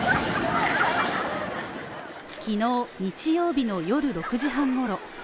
昨日、日曜日の夜６時半ごろ。